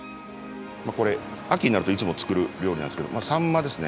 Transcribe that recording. これ秋になるといつも作る料理なんですけどサンマですね。